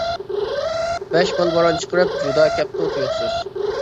بەش بال بوران چىقىرىپ، جودا كەپتۇ تۇيۇقسىز.